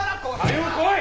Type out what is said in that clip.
早う来い！